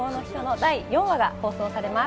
第４話が放送されます。